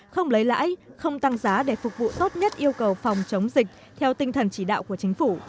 không lấy lãi không tăng giá để phục vụ tốt nhất yêu cầu phòng chống dịch theo tinh thần chỉ đạo của chính phủ